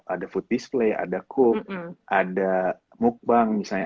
ada food display ada cook ada mukbang misalnya